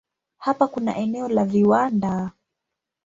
Hapa kuna eneo la viwanda.